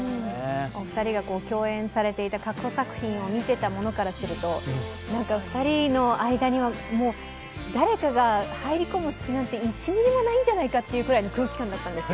お二人が共演されていた過去作品を見てたものからすると２人の間にはもう誰かが入り込む隙なんて１ミリもないんじゃないかという空気感だったんですよ。